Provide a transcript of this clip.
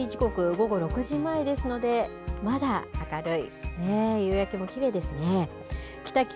こちらは日の入り時刻、午後６時前ですので、まだ明るい、夕焼けもきれいですね。